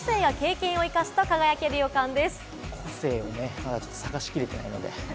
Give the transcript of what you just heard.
個性をね、まだちょっと探しきれてないので。